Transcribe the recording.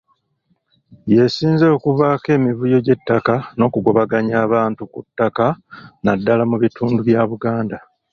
Y'esinze okuvaako emivuyo gy’ettaka n’okugobaganya abantu ku ttaka naddala mu bitundu bya Buganda.